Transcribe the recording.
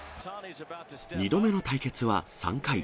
２度目の対決は３回。